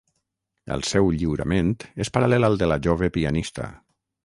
El seu lliurament és paral·lel al de la jove pianista.